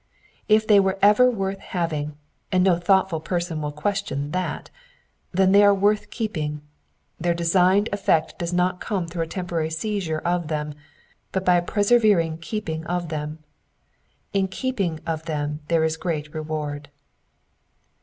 If they were ever worth having, and no thoughtful person will question that, then they are worth keeping ; their designed effect does not come through a temporary seiziye of them, but by a persevering keeping of them: in keeping of them there is great reward.''